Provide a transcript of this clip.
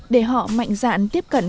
để họ mạnh dạn tiếp cận